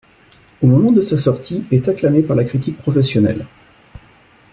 Au moment de sa sortie, est acclamé par la critique professionnelle.